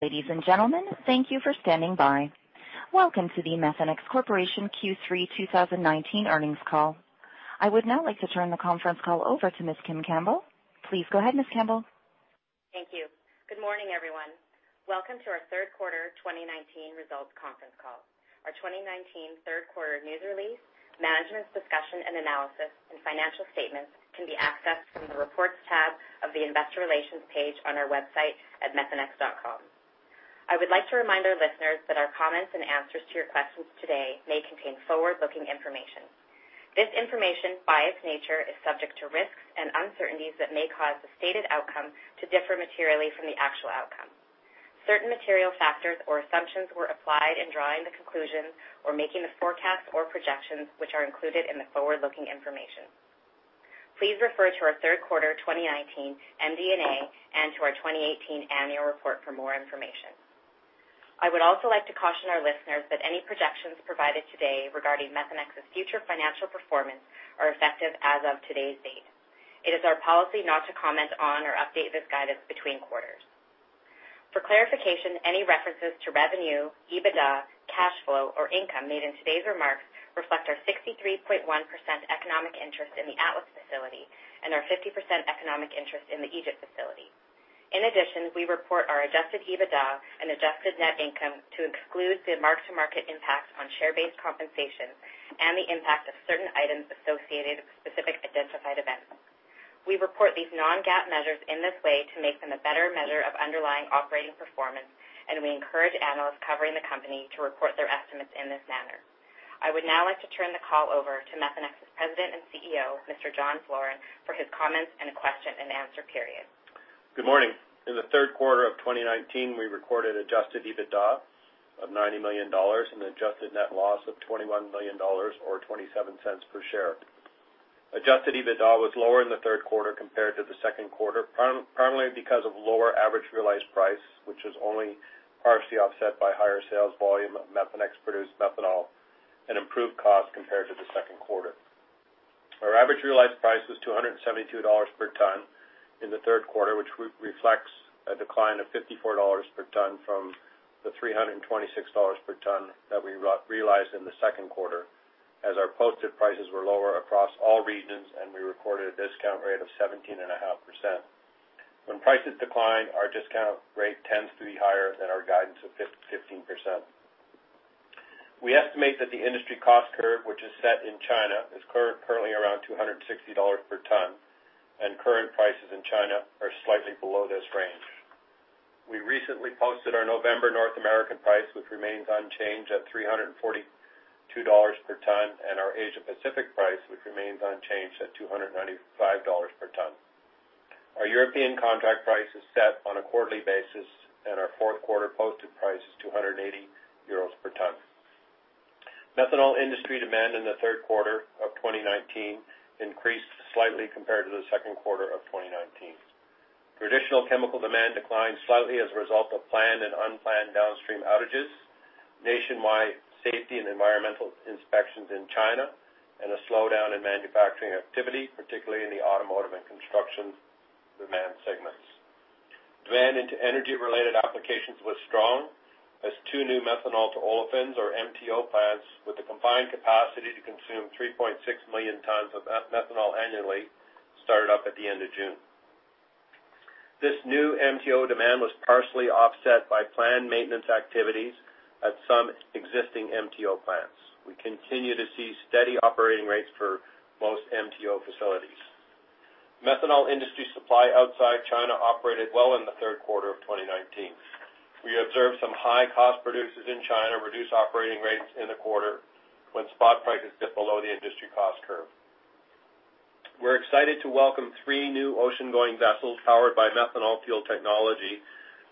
Ladies and gentlemen, thank you for standing by. Welcome to the Methanex Corporation Q3 2019 earnings call. I would now like to turn the conference call over to Ms. Kim Campbell. Please go ahead, Ms. Campbell. Thank you. Good morning, everyone. Welcome to our third quarter 2019 results conference call. Our 2019 third quarter news release, management's discussion and analysis, and financial statements can be accessed from the Reports tab of the Investor Relations page on our website at methanex.com. I would like to remind our listeners that our comments and answers to your questions today may contain forward-looking information. This information, by its nature, is subject to risks and uncertainties that may cause the stated outcome to differ materially from the actual outcome. Certain material factors or assumptions were applied in drawing the conclusions or making the forecasts or projections, which are included in the forward-looking information. Please refer to our third quarter 2019 MD&A and to our 2018 annual report for more information. I would also like to caution our listeners that any projections provided today regarding Methanex's future financial performance are effective as of today's date. It is our policy not to comment on or update this guidance between quarters. For clarification, any references to revenue, EBITDA, cash flow, or income made in today's remarks reflect our 63.1% economic interest in the Atlas facility and our 50% economic interest in the Egypt facility. In addition, we report our adjusted EBITDA and adjusted net income to exclude the mark-to-market impact on share-based compensation and the impact of certain items associated with specific identified events. We report these non-GAAP measures in this way to make them a better measure of underlying operating performance, and we encourage analysts covering the company to report their estimates in this manner. I would now like to turn the call over to Methanex's President and CEO, Mr. John Floren, for his comments and a question and answer period. Good morning. In the third quarter of 2019, we recorded adjusted EBITDA of $90 million and adjusted net loss of $21 million, or $0.27 per share. Adjusted EBITDA was lower in the third quarter compared to the second quarter, primarily because of lower average realized price, which was only partially offset by higher sales volume of Methanex produced methanol and improved cost compared to the second quarter. Our average realized price was $272 per ton in the third quarter, which reflects a decline of $54 per ton from the $326 per ton that we realized in the second quarter, as our posted prices were lower across all regions, and we recorded a discount rate of 17.5%. When prices decline, our discount rate tends to be higher than our guidance of 15%. We estimate that the industry cost curve, which is set in China, is currently around EUR 260 per ton, and current prices in China are slightly below this range. We recently posted our November North American price, which remains unchanged at EUR 342 per ton, and our Asia Pacific price, which remains unchanged at EUR 295 per ton. Our European contract price is set on a quarterly basis, and our fourth quarter posted price is 280 euros per ton. Methanol industry demand in the third quarter of 2019 increased slightly compared to the second quarter of 2019. Traditional chemical demand declined slightly as a result of planned and unplanned downstream outages, nationwide safety and environmental inspections in China, and a slowdown in manufacturing activity, particularly in the automotive and construction demand segments. Demand into energy-related applications was strong, as two new methanol to olefins, or MTO plants, with a combined capacity to consume 3.6 million tons of methanol annually, started up at the end of June. This new MTO demand was partially offset by planned maintenance activities at some existing MTO plants. We continue to see steady operating rates for most MTO facilities. Methanol industry supply outside China operated well in the third quarter of 2019. We observed some high-cost producers in China reduce operating rates in the quarter when spot prices dip below the industry cost curve. We're excited to welcome three new ocean-going vessels powered by methanol fuel technology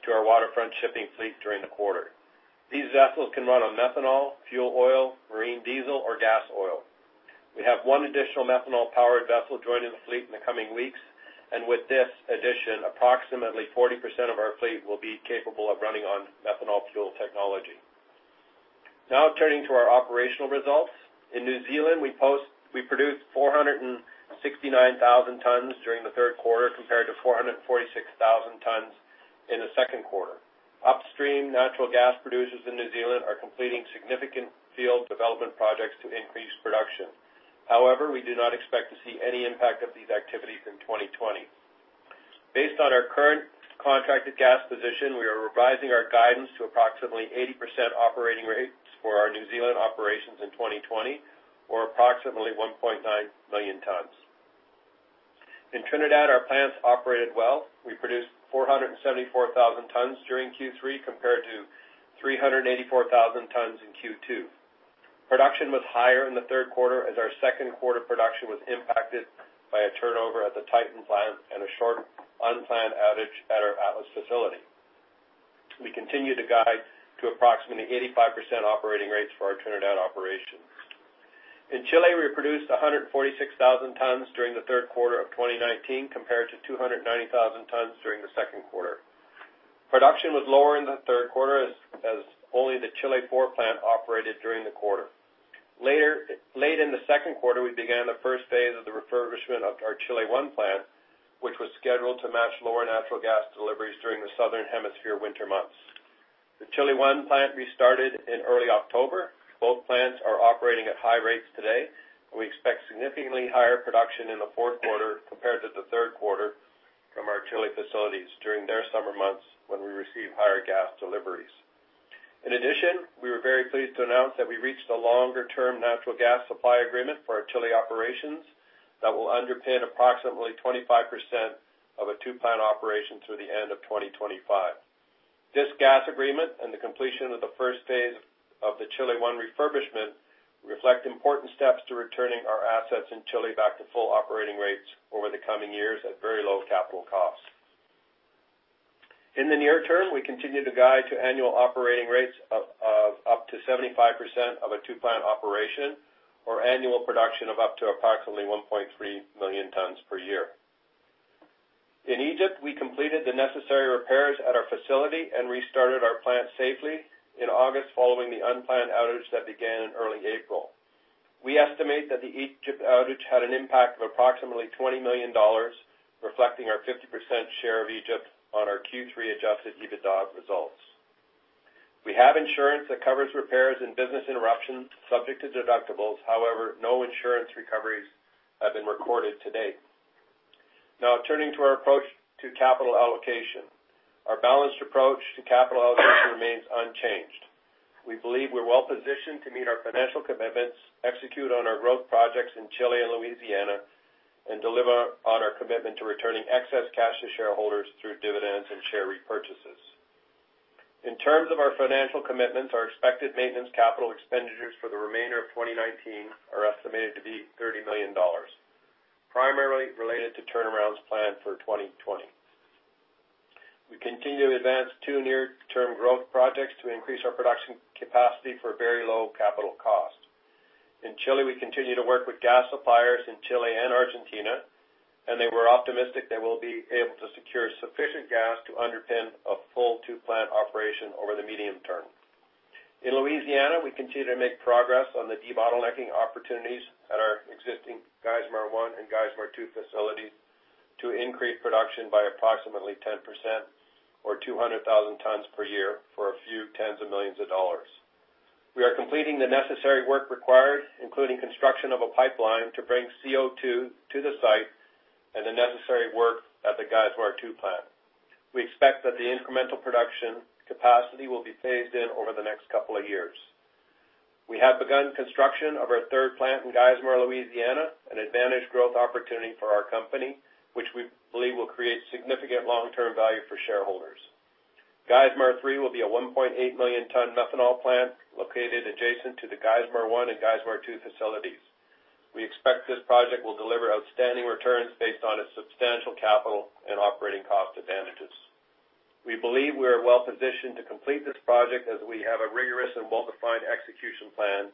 to our Waterfront Shipping fleet during the quarter. These vessels can run on methanol, fuel oil, marine diesel, or gas oil. We have one additional methanol-powered vessel joining the fleet in the coming weeks, and with this addition, approximately 40% of our fleet will be capable of running on methanol fuel technology. Now turning to our operational results. In New Zealand, we produced 469,000 tons during the third quarter, compared to 446,000 tons in the second quarter. Upstream natural gas producers in New Zealand are completing significant field development projects to increase production. However, we do not expect to see any impact of these activities in 2020. Based on our current contracted gas position, we are revising our guidance to approximately 80% operating rates for our New Zealand operations in 2020, or approximately 1.9 million tons. In Trinidad, our plants operated well. We produced 474,000 tons during Q3, compared to 384,000 tons in Q2. Production was higher in the third quarter, as our second quarter production was impacted by a turnover at the Titan plant and a short, unplanned outage at our Atlas facility. We continue to guide to approximately 85% operating rates for our Trinidad operations. In Chile, we produced 146,000 tons during the third quarter of 2019, compared to 290,000 tons during the second quarter. Production was lower in the third quarter as only the Chile IV plant operated during the quarter. Late in the second quarter, we began the first phase of the refurbishment of our Chile I plant, which was scheduled to match lower natural gas deliveries during the southern hemisphere winter months. The Chile I plant restarted in early October. Both plants are operating at high rates today. We expect significantly higher production in the fourth quarter compared to the third quarter from our Chile facilities during their summer months when we receive higher gas deliveries. In addition, we were very pleased to announce that we reached a longer-term natural gas supply agreement for our Chile operations that will underpin approximately 25% of a 2-plant operation through the end of 2025. This gas agreement and the completion of the first phase of the Chile I refurbishment reflect important steps to returning our assets in Chile back to full operating rates over the coming years at very low capital cost. In the near term, we continue to guide to annual operating rates of up to 75% of a 2-plant operation, or annual production of up to approximately 1.3 million tons per year. In Egypt, we completed the necessary repairs at our facility and restarted our plant safely in August, following the unplanned outage that began in early April. We estimate that the Egypt outage had an impact of approximately $20 million, reflecting our 50% share of Egypt on our Q3 adjusted EBITDA results. We have insurance that covers repairs and business interruptions subject to deductibles. However, no insurance recoveries have been recorded to date. Now, turning to our approach to capital allocation. Our balanced approach to capital allocation remains unchanged. We believe we're well-positioned to meet our financial commitments, execute on our growth projects in Chile and Louisiana, and deliver on our commitment to returning excess cash to shareholders through dividends and share repurchases. In terms of our financial commitments, our expected maintenance capital expenditures for the remainder of 2019 are estimated to be $30 million, primarily related to turnarounds planned for 2020. We continue to advance two near-term growth projects to increase our production capacity for very low capital cost. In Chile, we continue to work with gas suppliers in Chile and Argentina, and they were optimistic they will be able to secure sufficient gas to underpin a full two-plant operation over the medium term. In Louisiana, we continue to make progress on the debottlenecking opportunities at our existing Geismar I and Geismar II facilities to increase production by approximately 10%, or 200,000 tons per year for a few tens of millions of dollars. We are completing the necessary work required, including construction of a pipeline to bring CO2 to the site and the necessary work at the Geismar II plant. We expect that the incremental production capacity will be phased in over the next couple of years. We have begun construction of our third plant in Geismar, Louisiana, an advantage growth opportunity for our company, which we believe will create significant long-term value for shareholders. Geismar 3 will be a 1.8 million ton methanol plant located adjacent to the Geismar I and Geismar II facilities. We expect this project will deliver outstanding returns based on its substantial capital and operating cost advantages. We believe we are well-positioned to complete this project as we have a rigorous and well-defined execution plan,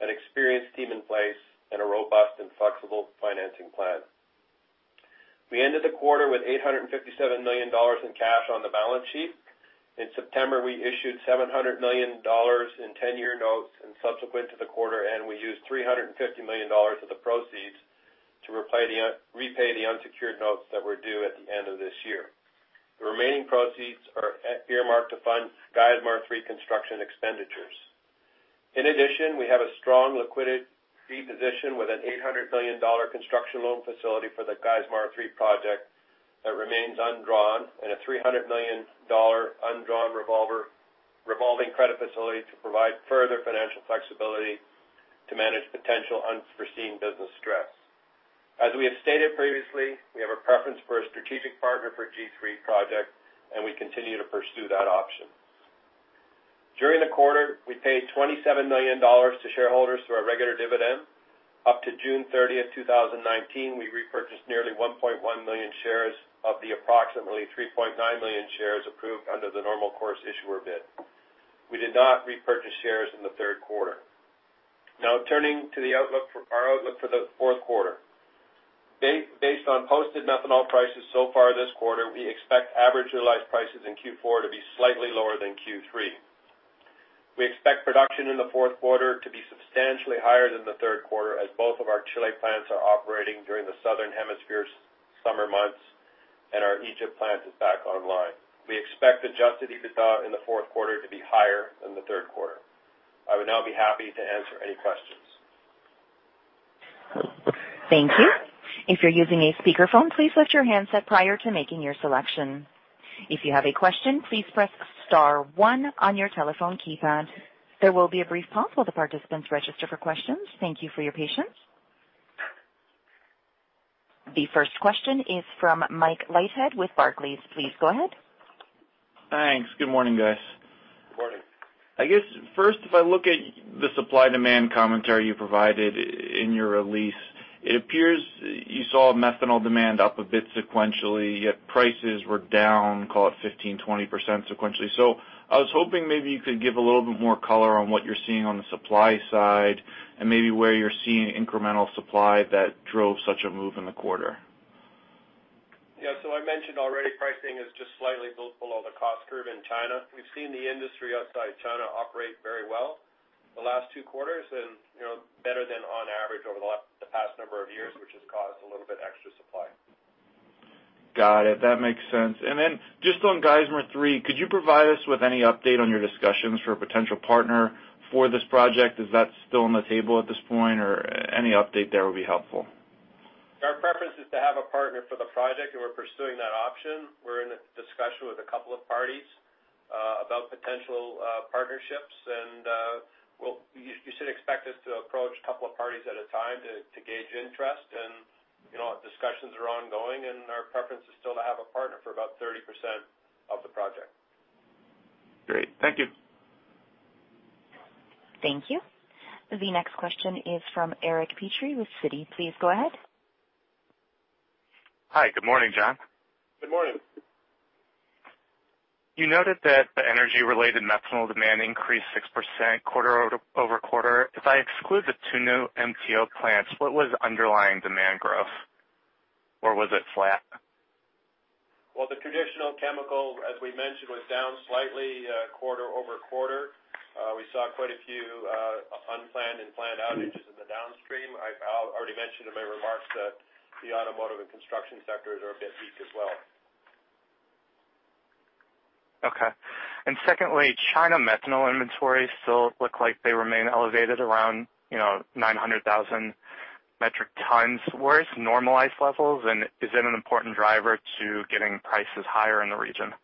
an experienced team in place, and a robust and flexible financing plan. We ended the quarter with $857 million in cash on the balance sheet. In September, we issued $700 million in 10-year notes, and subsequent to the quarter end, we used $350 million of the proceeds to repay the unsecured notes that were due at the end of this year. The remaining proceeds are earmarked to fund Geismar 3 construction expenditures. In addition, we have a strong liquidity position with an $800 million construction loan facility for the Geismar 3 project that remains undrawn and a $300 million undrawn revolving credit facility to provide further financial flexibility to manage potential unforeseen business stress. As we have stated previously, we have a preference for a strategic partner for G3 project, and we continue to pursue that option. During the quarter, we paid $27 million to shareholders through our regular dividend. Up to June 30, 2019, we repurchased nearly 1.1 million shares of the approximately 3.9 million shares approved under the normal course issuer bid. Turning to our outlook for the fourth quarter. Based on posted methanol prices so far this quarter, we expect average realized prices in Q4 to be slightly lower than Q3. We expect production in the fourth quarter to be substantially higher than the third quarter, as both of our Chile plants are operating during the southern hemisphere's summer months and our Egypt plant is back online. We expect adjusted EBITDA in the fourth quarter to be higher than the third quarter. I would now be happy to answer any questions. Thank you. If you're using a speakerphone, please mute your handset prior to making your selection. If you have a question, please press *1 on your telephone keypad. There will be a brief pause while the participants register for questions. Thank you for your patience. The first question is from Mike Leithead with Barclays. Please go ahead. Good morning. I guess first, if I look at the supply-demand commentary you provided in your release, it appears you saw methanol demand up a bit sequentially, yet prices were down, call it 15%, 20% sequentially. I was hoping maybe you could give a little bit more color on what you're seeing on the supply side and maybe where you're seeing incremental supply that drove such a move in the quarter? Yeah. I mentioned already, pricing is just slightly below the cost curve in China. We've seen the industry outside China operate very well the last two quarters and better than on average over the past number of years, which has caused a little bit extra supply. Got it. That makes sense. Just on Geismar 3, could you provide us with any update on your discussions for a potential partner for this project? Is that still on the table at this point, or any update there would be helpful. Our preference is to have a partner for the project, and we're pursuing that option. We're in a discussion with a couple of parties about potential partnerships, and you should expect us to approach a couple of parties at a time to gauge interest. Discussions are ongoing, and our preference is still to have a partner for about 30% of the project. Great. Thank you. Thank you. The next question is from Eric Petrie with Citi. Please go ahead. Hi. Good morning, John. Good morning. You noted that the energy-related methanol demand increased 6% quarter-over-quarter. If I exclude the two new MTO plants, what was underlying demand growth? Or was it flat? Well, the traditional chemical, as we mentioned, was down slightly quarter-over-quarter. We saw quite a few unplanned and planned outages in the downstream. I already mentioned in my remarks that the automotive and construction sectors are a bit weak as well. Okay. Secondly, China methanol inventories still look like they remain elevated around 900,000 metric tons worth normalized levels. Is it an important driver to getting prices higher in the region?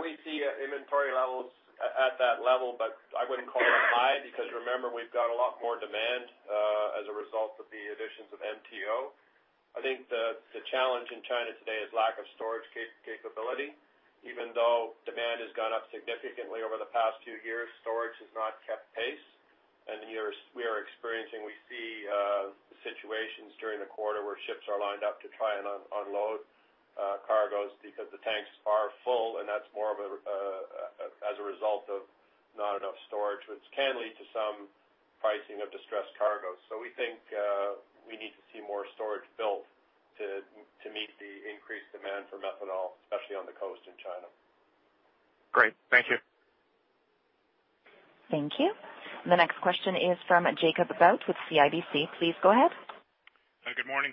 We see inventory levels at that level, but I wouldn't call them high because, remember, we've got a lot more demand as a result of the additions of MTO. I think the challenge in China today is lack of storage capability. Even though demand has gone up significantly over the past two years, storage has not kept pace. We are experiencing, we see, situations during the quarter where ships are lined up to try and unload cargoes because the tanks are full, and that's more as a result of not enough storage, which can lead to some pricing of distressed cargoes. We think we need to see more storage built to meet the increased demand for methanol, especially on the coast in China. Great. Thank you. Thank you. The next question is from Jacob Bout with CIBC. Please go ahead. Good morning.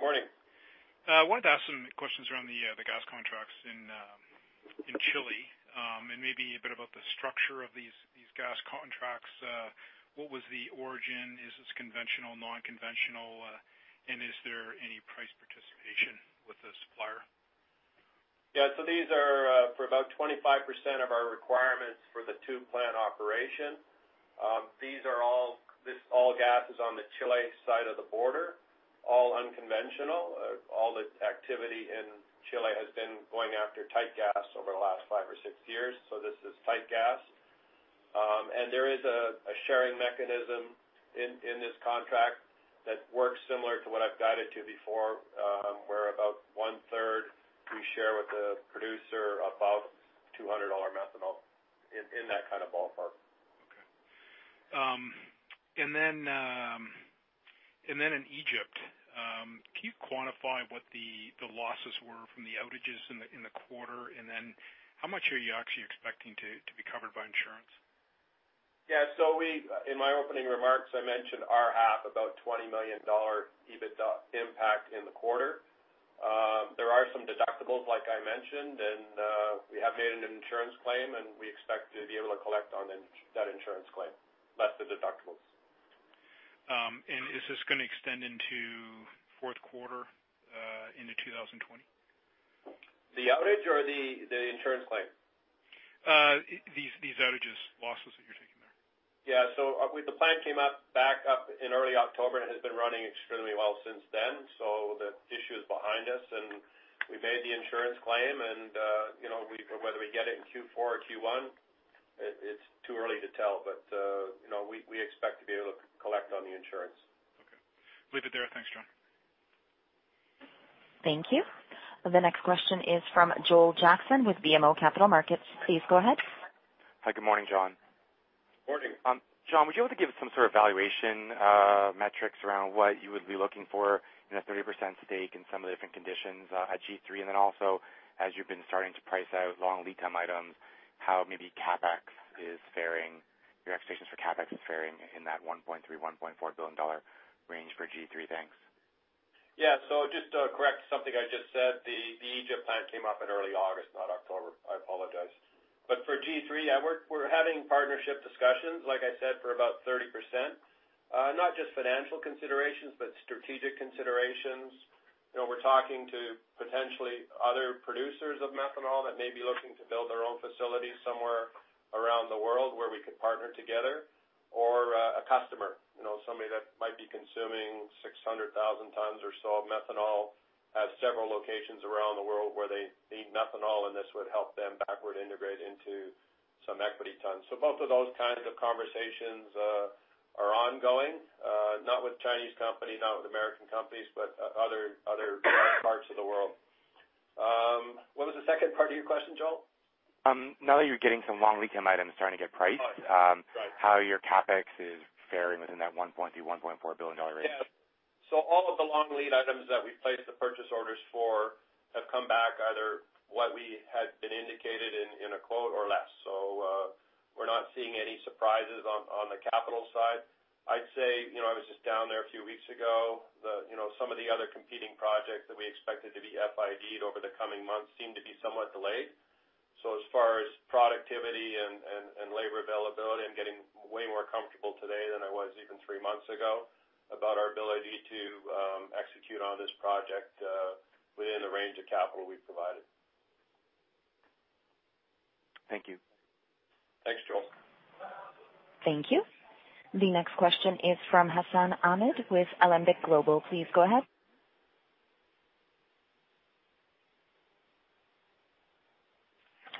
Morning. I wanted to ask some questions around the gas contracts in Chile, and maybe a bit about the structure of these gas contracts. What was the origin? Is this conventional, non-conventional, and is there any price participation with the supplier? Yeah. These are for about 25% of our requirements for the two-plant operation. This all gas is on the Chile side of the border, all unconventional. All the activity in Chile has been going after tight gas over the last five or six years, so this is tight gas. There is a sharing mechanism in this contract that works similar to what I've guided to before, where about one-third we share with the producer above EUR 200 methanol, in that kind of ballpark. Okay. In Egypt, can you quantify what the losses were from the outages in the quarter, and then how much are you actually expecting to be covered by insurance? In my opening remarks, I mentioned about $20 million EBITDA impact in the quarter. There are some deductibles, like I mentioned, and we have made an insurance claim, and we expect to be able to collect on that insurance claim, less the deductibles. Is this going to extend into fourth quarter into 2020? The outage or the insurance claim? These outages, losses that you're taking there. Yeah. The plant came back up in early October and has been running extremely well since then. The issue is behind us, and we made the insurance claim. Whether we get it in Q4 or Q1, it's too early to tell. We expect to be able to collect on the insurance. Okay. Leave it there. Thanks, John. Thank you. The next question is from Joel Jackson with BMO Capital Markets. Please go ahead. Hi. Good morning, John. Morning. John, would you able to give some sort of valuation metrics around what you would be looking for in a 30% stake in some of the different conditions at G3? Also, as you've been starting to price out long lead time items, how maybe CapEx is faring, your expectations for CapEx in that $1.3 billion-$1.4 billion range for G3. Thanks. Just to correct something I just said, the Egypt plant came up in early August, not October. I apologize. For G3, we're having partnership discussions, like I said, for about 30%. Not just financial considerations, but strategic considerations. We're talking to potentially other producers of methanol that may be looking to build their own facility somewhere around the world where we could partner together or a customer. Somebody that might be consuming 600,000 tons or so of methanol, has several locations around the world where they need methanol, and this would help them backward integrate into some equity tons. Both of those kinds of conversations are ongoing. Not with Chinese companies, not with American companies, but other parts of the world. What was the second part of your question, Joel? Now that you're getting some long lead time items starting to get priced. Oh, right. how your CapEx is fairing within that $1.3 billion-$1.4 billion range. Yeah. All of the long lead items that we placed the purchase orders for have come back either what we had been indicated in a quote or less. We're not seeing any surprises on the capital side. I'd say, I was just down there a few weeks ago. Some of the other competing projects that we expected to be FID over the coming months seem to be somewhat delayed. As far as productivity and labor availability, I'm getting way more comfortable today than I was even three months ago about our ability to execute on this project within the range of capital we've provided. Thank you. Thanks, Joel. Thank you. The next question is from Hassan Ahmed with Alembic Global. Please go ahead.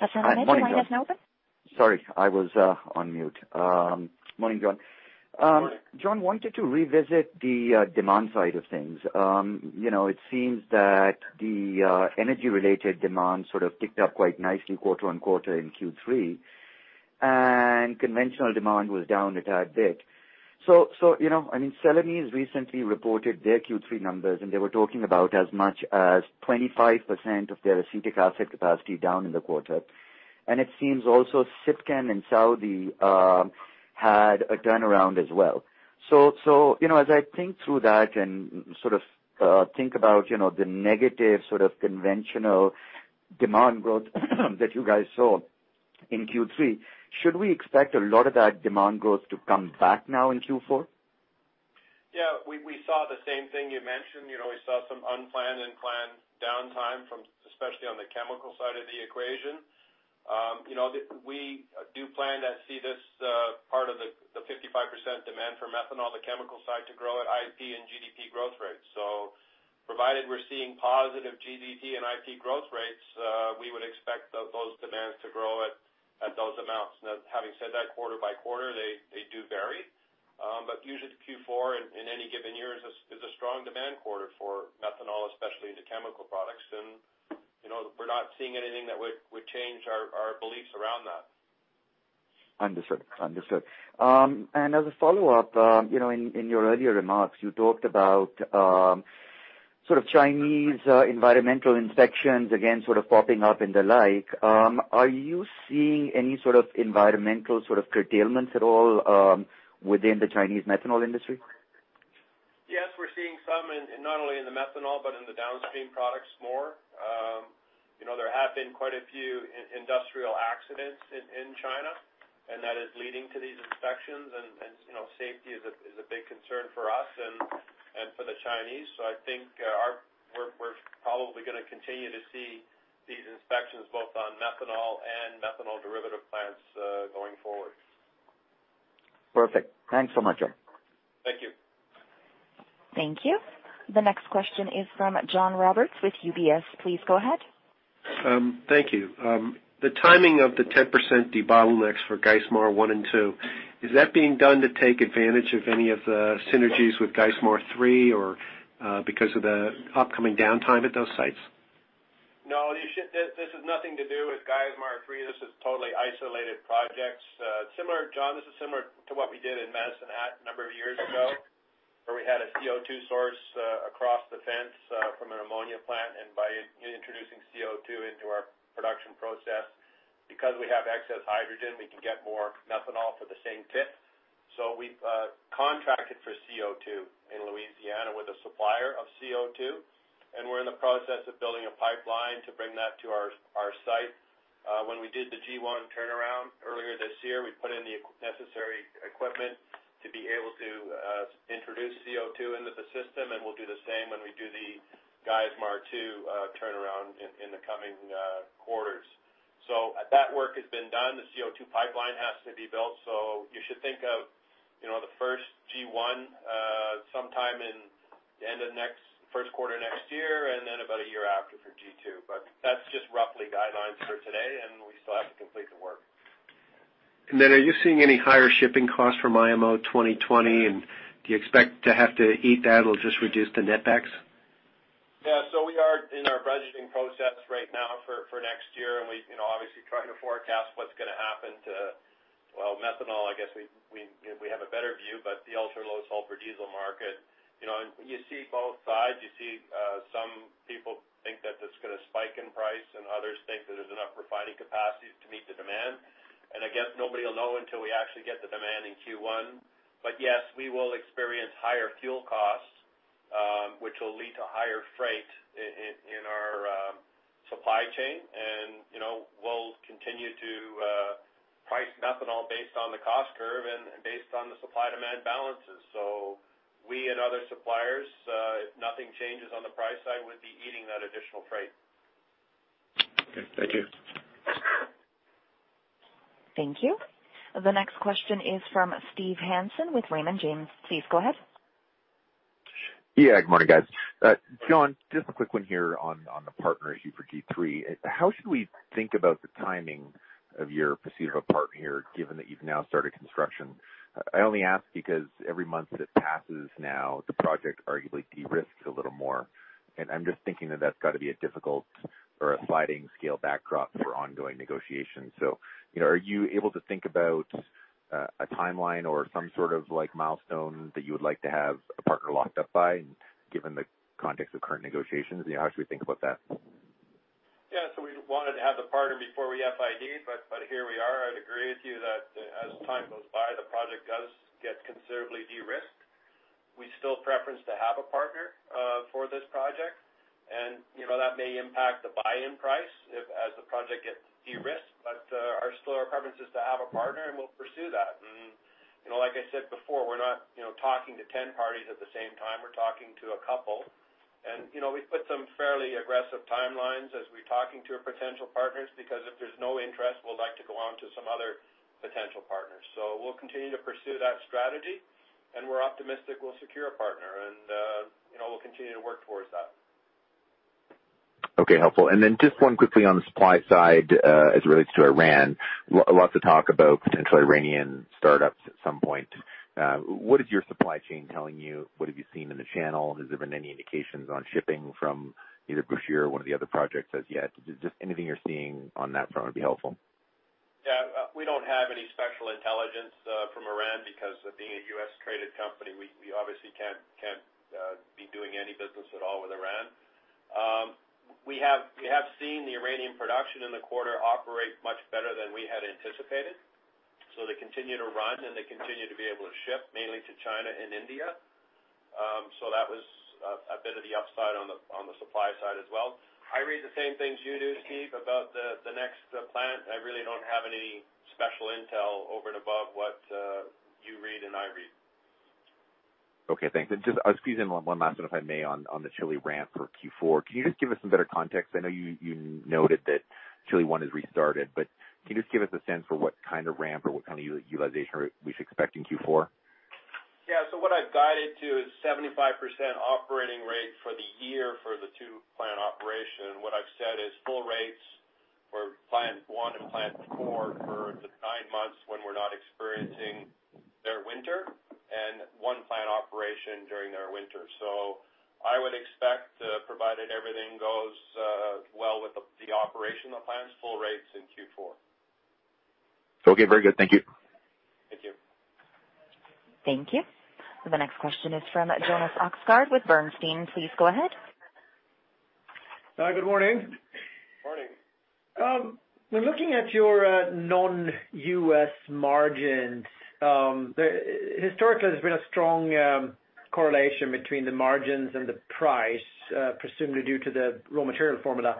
Hassan Ahmed, line is now open. Sorry, I was on mute. Morning, John. Morning. John, wanted to revisit the demand side of things. It seems that the energy-related demand sort of ticked up quite nicely quarter-on-quarter in Q3, and conventional demand was down a tad bit. Celanese recently reported their Q3 numbers, and they were talking about as much as 25% of their acetic acid capacity down in the quarter, and it seems also Sipchem in Saudi had a turnaround as well. As I think through that and sort of think about the negative sort of conventional demand growth that you guys saw in Q3, should we expect a lot of that demand growth to come back now in Q4? Yeah. We saw the same thing you mentioned. We saw some unplanned and planned downtime, especially on the chemical side of the equation. We do plan to see this part of the 55% demand for methanol, the chemical side, to grow at IP and GDP growth rates. Provided we're seeing positive GDP and IP growth rates, we would expect those demands to grow at those amounts. Now, having said that, quarter by quarter, they do vary. Usually Q4 in any given year is a strong demand quarter for methanol, especially into chemical products. We're not seeing anything that would change our beliefs around that. Understood. As a follow-up, in your earlier remarks, you talked about sort of Chinese environmental inspections, again, sort of popping up and the like. Are you seeing any sort of environmental curtailments at all within the Chinese methanol industry? Yes, we're seeing some, not only in the methanol, but in the downstream products more. There have been quite a few industrial accidents in China, that is leading to these inspections. Safety is a big concern for us and for the Chinese. I think we're probably going to continue to see these inspections both on methanol and methanol derivative plants going forward. Perfect. Thanks so much. Thank you. Thank you. The next question is from John Roberts with UBS. Please go ahead. Thank you. The timing of the 10% debottlenecks for Geismar I and II, is that being done to take advantage of any of the synergies with Geismar 3, or because of the upcoming downtime at those sites? No. This has nothing to do with Geismar 3. This is totally isolated projects. John, this is similar to what we did in Medicine Hat a number of years ago, where we had a CO2 source across the fence from an ammonia plant. By introducing CO2 into our production process, because we have excess hydrogen, we can get more methanol for the same time. We've contracted for CO2 in Louisiana with a supplier of CO2, and we're in the process of building a pipeline to bring that to our site. When we did the G1 turnaround earlier this year, we put in the necessary equipment to be able to introduce CO2 into the system, and we'll do the same when we do the Geismar II turnaround in the coming quarters. That work has been done. The CO2 pipeline has to be built. You should think of the first G1 sometime in end of first quarter next year, and then about a year after for G2. That's just roughly guidelines for today, and we still have to complete the work. Are you seeing any higher shipping costs from IMO 2020, and do you expect to have to eat that or just reduce the netback? We are in our budgeting process right now for next year, and we obviously trying to forecast what's going to happen to Well, methanol, I guess, we have a better view, but the ultra-low sulfur diesel market. You see both sides. You see some people think that it's going to spike in price, and others think that there's enough refining capacity to meet the demand. I guess nobody will know until we actually get the demand in Q1. Yes, we will experience higher fuel costs, which will lead to higher freight in our supply chain, and we'll continue to price methanol based on the cost curve and based on the supply-demand balances. We and other suppliers, if nothing changes on the price side, would be eating that additional freight. Okay. Thank you. Thank you. The next question is from Steve Hansen with Raymond James. Please go ahead. Yeah. Good morning, guys. John, just a quick one here on the partner issue for G3. How should we think about the timing of your pursuit of a partner given that you've now started construction? I only ask because every month that it passes now, the project arguably de-risks a little more. I'm just thinking that that's got to be a difficult or a sliding scale backdrop for ongoing negotiations. Are you able to think about a timeline or some sort of milestone that you would like to have a partner locked up by, given the context of current negotiations? How should we think about that? Yeah. We wanted to have the partner before we FID, but here we are. I'd agree with you that as time goes by, the project does get considerably de-risked. We still preference to have a partner for this project. That may impact the buy-in price as the project gets de-risked, but our preference is to have a partner, and we'll pursue that. Like I said before, we're not talking to 10 parties at the same time. We're talking to a couple. We've put some fairly aggressive timelines as we're talking to our potential partners, because if there's no interest, we'd like to go on to some other potential partners. We'll continue to pursue that strategy, and we're optimistic we'll secure a partner and we'll continue to work towards that. Okay. Helpful. Then just one quickly on the supply side, as it relates to Iran. Lots of talk about potential Iranian startups at some point. What is your supply chain telling you? What have you seen in the channel? Has there been any indications on shipping from either Bushehr or one of the other projects as yet? Just anything you're seeing on that front would be helpful. Yeah. We don't have any special intelligence from Iran because being a U.S.-traded company, we obviously can't be doing any business at all with Iran. We have seen the Iranian production in the quarter operate much better than we had anticipated. They continue to run, and they continue to be able to ship, mainly to China and India. That was a bit of the upside on the supply side as well. I read the same things you do, Steve, about the next plant. I really don't have any special intel over and above what you read and I read. Okay, thanks. Just, I'll squeeze in one last one, if I may, on the Chile ramp for Q4. Can you just give us some better context? I know you noted that Chile I has restarted, can you just give us a sense for what kind of ramp or what kind of utilization rate we should expect in Q4? Yeah. What I've guided to is 75% operating rate for the year for the two-plant operation. What I've said is full rates for plant 1 and plant 4 for the nine months when we're not experiencing their winter, and one plant operation during their winter. I would expect, provided everything goes well with the operation of the plants, full rates in Q4. Okay. Very good. Thank you. Thank you. Thank you. The next question is from Jonas Oxgaard with Bernstein. Please go ahead. Hi, good morning. Morning. We're looking at your non-U.S. margins. Historically, there's been a strong correlation between the margins and the price, presumably due to the raw material formula.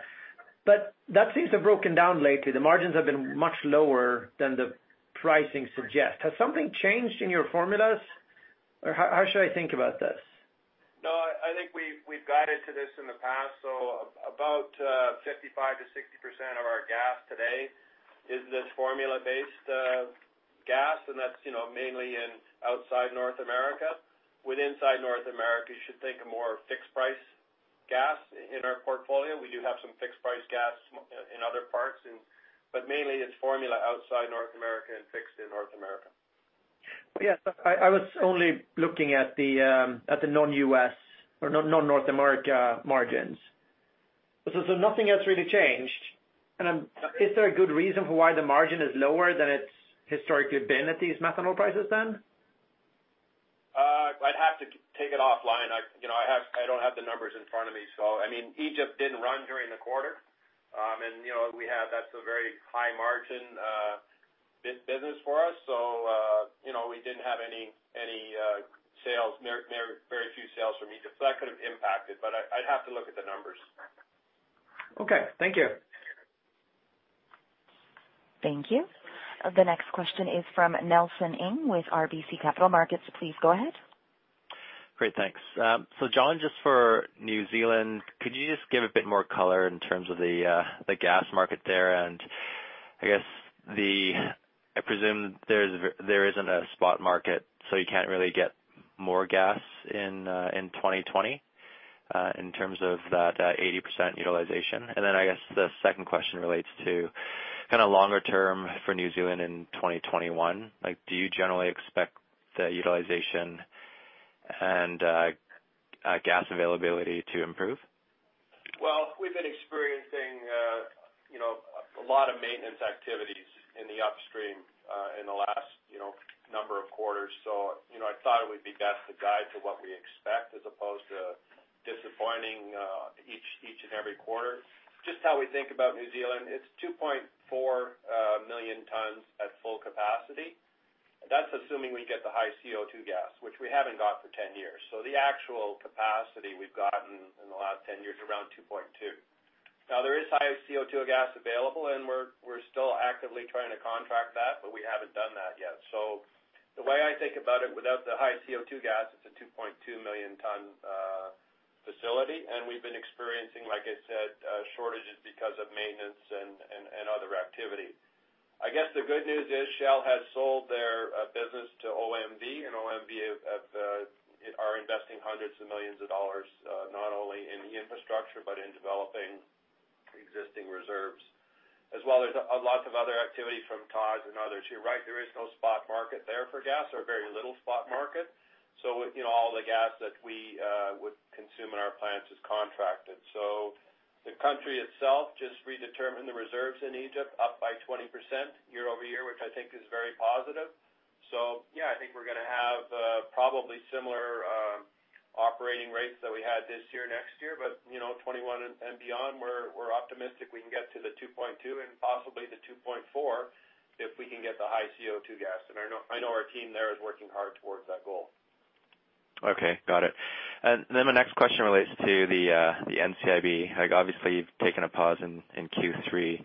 That seems to have broken down lately. The margins have been much lower than the pricing suggests. Has something changed in your formulas? How should I think about this? I think we've guided to this in the past. About 55%-60% of our gas today is this formula-based gas. That's mainly in outside North America. With inside North America, you should think of more fixed price gas in our portfolio. We do have some fixed price gas in other parts. Mainly it's formula outside North America and fixed in North America. Yes. I was only looking at the non-U.S. or non-North America margins. Nothing has really changed. Is there a good reason for why the margin is lower than it's historically been at these methanol prices then? I'd have to take it offline. I don't have the numbers in front of me. Egypt didn't run during the quarter. That's a very high margin business for us. We didn't have any sales there. Very few sales from Egypt. That could have impacted, but I'd have to look at the numbers. Okay. Thank you. Thank you. The next question is from Nelson Ng with RBC Capital Markets. Please go ahead. Great, thanks. John, just for New Zealand, could you just give a bit more color in terms of the gas market there? I presume there isn't a spot market, so you can't really get more gas in 2020 in terms of that 80% utilization. I guess the second question relates to kind of longer term for New Zealand in 2021. Do you generally expect the utilization and gas availability to improve? Well, we've been experiencing a lot of maintenance activities in the upstream in the last number of quarters. I thought it would be best to guide to what we expect as opposed to disappointing each and every quarter. Just how we think about New Zealand, it's 2.4 million tons at full capacity. That's assuming we get the high CO2 gas, which we haven't got for 10 years. The actual capacity we've gotten in the last 10 years is around 2.2. Now there is high CO2 gas available, and we're still actively trying to contract that, but we haven't done that yet. The way I think about it, without the high CO2 gas, it's a 2.2-million-ton facility. We've been experiencing, like I said, shortages because of maintenance and other activity. The good news is Shell has sold their business to OMV. OMV are investing hundreds of millions of USD, not only in the infrastructure but in developing existing reserves. As well, there is lots of other activity from TAZ and others. You're right, there is no spot market there for gas or very little spot market. All the gas that we would consume in our plants is contracted. The country itself just redetermined the reserves in Egypt up by 20% year-over-year, which I think is very positive. Yeah, I think we're going to have probably similar operating rates that we had this year, next year. 2021 and beyond, we're optimistic we can get to the 2.2 and possibly the 2.4 if we can get the high CO2 gas. I know our team there is working hard towards that goal. Okay. Got it. My next question relates to the NCIB. Obviously, you've taken a pause in Q3.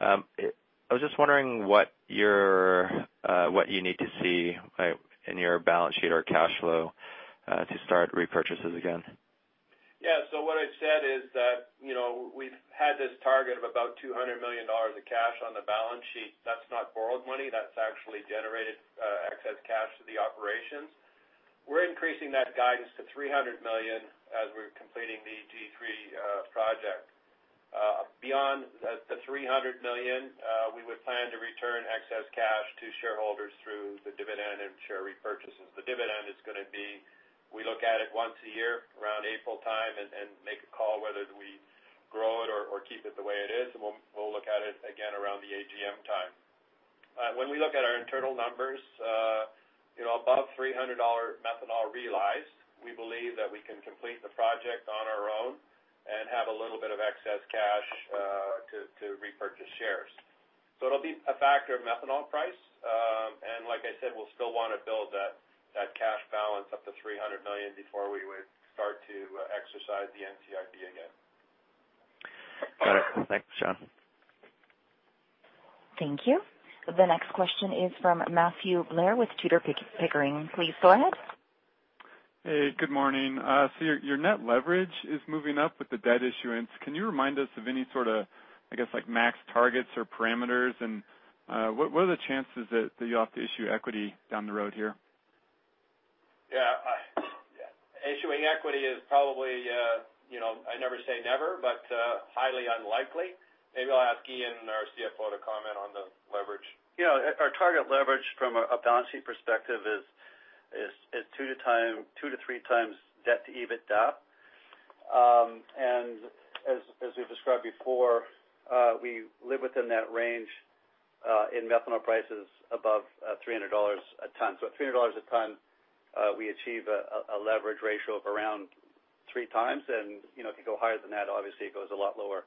I was just wondering what you need to see in your balance sheet or cash flow to start repurchases again. Yeah. What I've said is that we've had this target of about $200 million of cash on the balance sheet. That's not borrowed money. That's actually generated excess cash to the operations. We're increasing that guidance to $300 million as we're completing the G3 project. Beyond the $300 million, we would plan to return excess cash to shareholders through the dividend and share repurchases. The dividend is going to be, we look at it once a year, around April time, and make a call whether we grow it or keep it the way it is. We'll look at it again around the AGM time. When we look at our internal numbers above $300 methanol realized, we believe that we can complete the project on our own and have a little bit of excess cash to repurchase shares. It'll be a factor of methanol price. like I said, we'll still want to build that cash balance up to $300 million before we would start to exercise the NCIB again. Got it. Thanks, John. Thank you. The next question is from Matthew Blair with Tudor, Pickering. Please go ahead. Hey, good morning. Your net leverage is moving up with the debt issuance. Can you remind us of any sort of max targets or parameters, and what are the chances that you'll have to issue equity down the road here? Yeah. Issuing equity is probably, I never say never, but highly unlikely. Maybe I'll ask Ian, our CFO, to comment on the leverage. Yeah. Our target leverage from a balance sheet perspective is two to three times debt to EBITDA. As we've described before, we live within that range in methanol prices above $300 a ton. At $300 a ton, we achieve a leverage ratio of around three times. If you go higher than that, obviously, it goes a lot lower.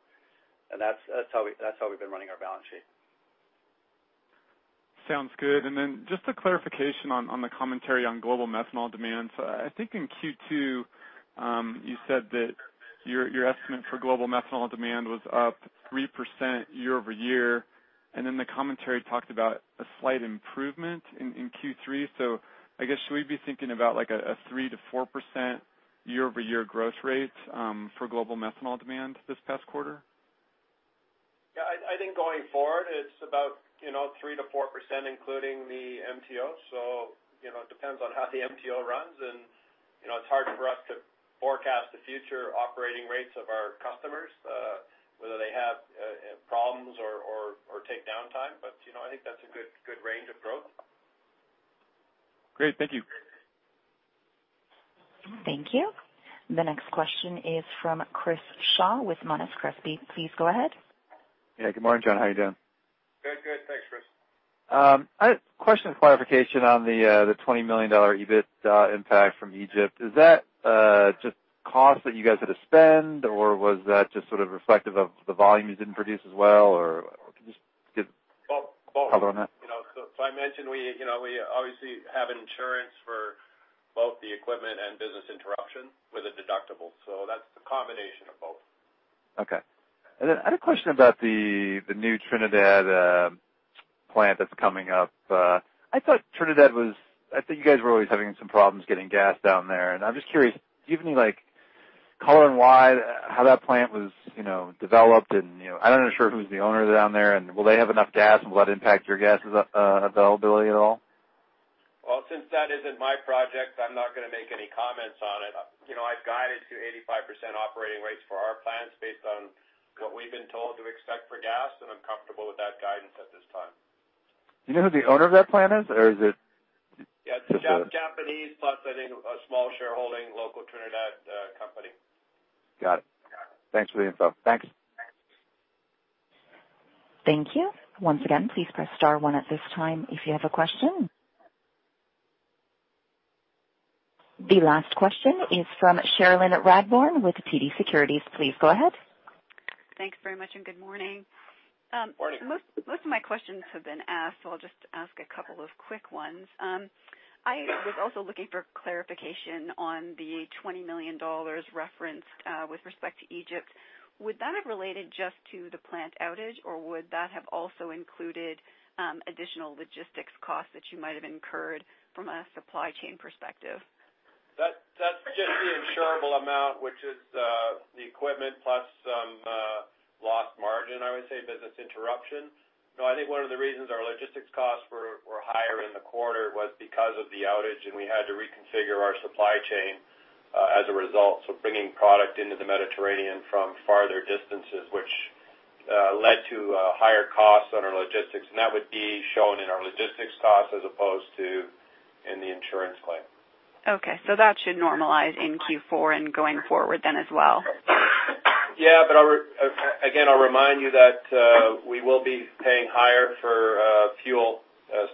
That's how we've been running our balance sheet. Sounds good. Then just a clarification on the commentary on global methanol demand. I think in Q2, you said that your estimate for global methanol demand was up 3% year-over-year, then the commentary talked about a slight improvement in Q3. I guess, should we be thinking about like a 3%-4% year-over-year growth rate for global methanol demand this past quarter? Yeah. I think going forward, it's about 3%-4%, including the MTO. It depends on how the MTO runs, and it's hard for us to forecast the future operating rates of our customers whether they have problems or take downtime. I think that's a good range of growth. Great. Thank you. Thank you. The next question is from Chris Shaw with Monness, Crespi. Please go ahead. Yeah. Good morning, John. How you doing? Good. Thanks, Chris. A question clarification on the $20 million EBITDA impact from Egypt. Is that just cost that you guys had to spend, or was that just sort of reflective of the volume you didn't produce as well? Both color on that? I mentioned we obviously have insurance for both the equipment and business interruption with a deductible. That's the combination of both. Okay. I had a question about the new Trinidad plant that's coming up. I thought you guys were always having some problems getting gas down there, and I'm just curious, do you have any color on why, how that plant was developed? I'm not sure who's the owner down there, and will they have enough gas, and will that impact your gas availability at all? Well, since that isn't my project, I'm not going to make any comments on it. I've guided to 85% operating rates for our plants based on what we've been told to expect for gas, and I'm comfortable with that guidance at this time. Do you know who the owner of that plant is, or is it? Yeah. It's Japanese, plus I think a small shareholding local Trinidad company. Got it. Thanks for the info. Thanks. Thank you. Once again, please press star one at this time if you have a question. The last question is from Cherilyn Radbourne with TD Securities. Please go ahead. Thanks very much, and good morning. Morning. Most of my questions have been asked. I'll just ask a couple of quick ones. I was also looking for clarification on the $20 million referenced with respect to Egypt. Would that have related just to the plant outage, or would that have also included additional logistics costs that you might have incurred from a supply chain perspective? That's just the insurable amount, which is the equipment plus some lost margin, I would say, business interruption. I think one of the reasons our logistics costs were higher in the quarter was because of the outage, and we had to reconfigure our supply chain as a result. Bringing product into the Mediterranean from farther distances, which led to higher costs on our logistics. That would be shown in our logistics costs as opposed to in the insurance claim. Okay. That should normalize in Q4 and going forward then as well. Yeah. Again, I'll remind you that we will be paying higher for fuel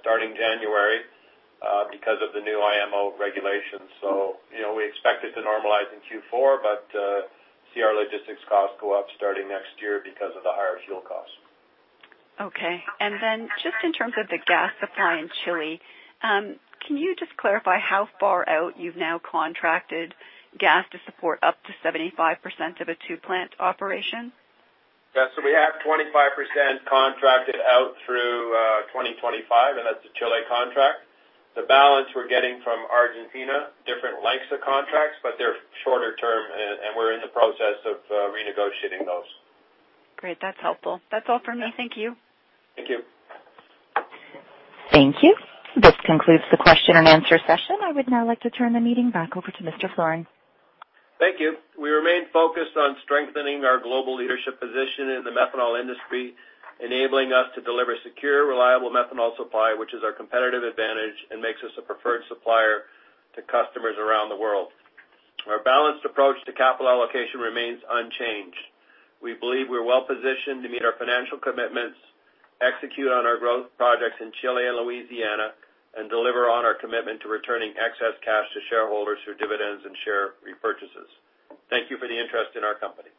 starting January because of the new IMO regulations. We expect it to normalize in Q4, but see our logistics costs go up starting next year because of the higher fuel costs. Okay. Then just in terms of the gas supply in Chile, can you just clarify how far out you've now contracted gas to support up to 75% of a two-plant operation? We have 25% contracted out through 2025, and that's a Chile contract. The balance we're getting from Argentina, different lengths of contracts, but they're shorter term, and we're in the process of renegotiating those. Great. That's helpful. That's all for me. Thank you. Thank you. Thank you. This concludes the question and answer session. I would now like to turn the meeting back over to Mr. Floren. Thank you. We remain focused on strengthening our global leadership position in the methanol industry, enabling us to deliver secure, reliable methanol supply, which is our competitive advantage and makes us a preferred supplier to customers around the world. Our balanced approach to capital allocation remains unchanged. We believe we're well-positioned to meet our financial commitments, execute on our growth projects in Chile and Louisiana, and deliver on our commitment to returning excess cash to shareholders through dividends and share repurchases. Thank you for the interest in our company.